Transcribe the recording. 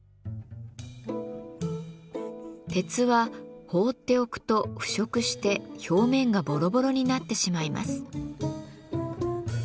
鉄は放っておくと腐食して表面がボロボロになってしまいます。